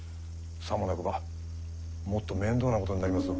さもなくばもっと面倒なことになりますぞ。